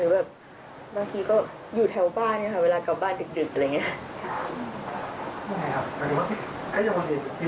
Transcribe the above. แบบบางทีก็อยู่แถวบ้านนะคะเวลากลับบ้านดึกอะไรอย่างนี้